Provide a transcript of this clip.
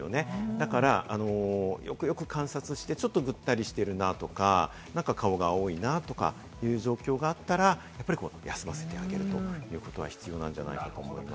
だからよくよく観察して、ちょっとぐったりしてるなとか、顔が青いなとかいう状況があったら、休ませてあげるということは必要なんじゃないかと思います。